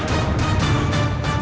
pake prosecuter ga jadi mas